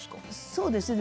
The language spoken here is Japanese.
そうですね。